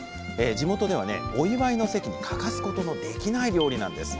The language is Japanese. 地元ではねお祝いの席に欠かすことのできない料理なんです。